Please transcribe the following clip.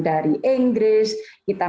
dari inggris kita